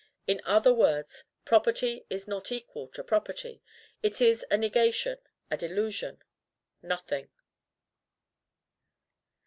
In other words, property is not equal to property: it is a negation a delusion NOTHING.